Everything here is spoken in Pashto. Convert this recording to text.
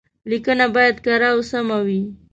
ليکنه بايد کره او سمه وي.